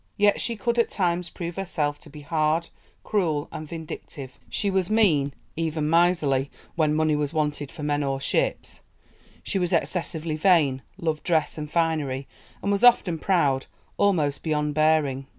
Yet she could at times prove herself to be hard, cruel, and vindictive; she was mean, even miserly, when money was wanted for men or ships; she was excessively vain, loved dress and finery, and was often proud almost beyond bearing.